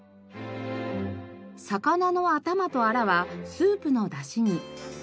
魚の頭とアラはスープのだしに。